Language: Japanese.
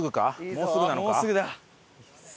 もうすぐなのか？